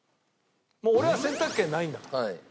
もう俺は選択権ないんだから。